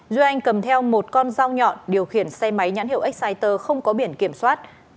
duy anh cầm theo một con dao nhọn điều khiển xe máy nhãn hiệu exciter không có biển kiểm soát